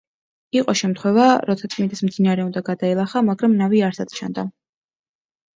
იყო შემთხვევა, როცა წმინდანს მდინარე უნდა გადაელახა, მაგრამ ნავი არსად ჩანდა.